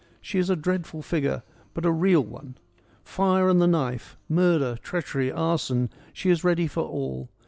She is a dreadful figure, but a real one. Fire and the knife : murder, treachery, arson : she is ready for all.